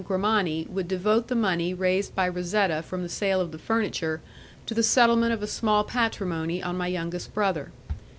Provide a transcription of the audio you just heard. Grimani would devote the money raised by Razetta from the sale of the furniture to the settlement of a small patrimony on my youngest brother.